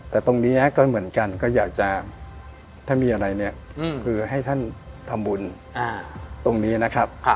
แต่ตรงนี้ก็เหมือนกันก็อยากจะถ้ามีอะไรเนี่ยคือให้ท่านทำบุญตรงนี้นะครับ